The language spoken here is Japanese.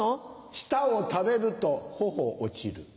舌を食べると頬落ちる。